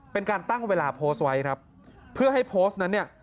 เป็นการตั้งเวลาโพสต์ไว้ครับเพื่อให้โพสต์นั้นเนี่ย